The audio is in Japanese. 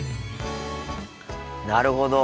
なるほど。